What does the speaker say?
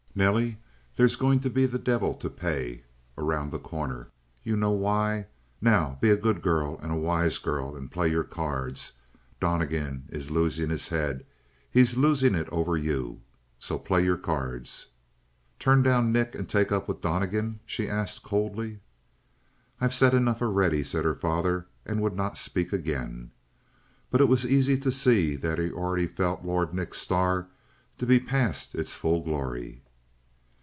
"Nelly, there's going to be the devil to pay around The Corner. You know why. Now, be a good girl and wise girl and play your cards. Donnegan is losing his head; he's losing it over you. So play your cards." "Turn down Nick and take up Donnegan?" she asked coldly. "I've said enough already," said her father, and would not speak again. But it was easy to see that he already felt Lord Nick's star to be past its full glory.